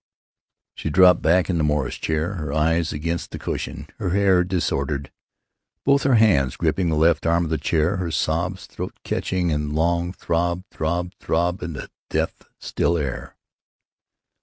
She dropped back in the Morris chair, her eyes against the cushion, her hair disordered, both her hands gripping the left arm of the chair, her sobs throat catching and long—throb throb throb in the death still air.